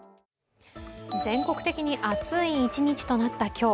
全国的に暑い一日となった今日。